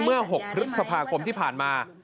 เมื่อ๖พฤษภาคมที่ผ่านมา